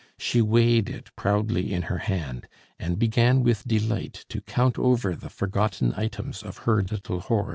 She weighed it proudly in her hand, and began with delight to count over the forgotten items of her little hoard.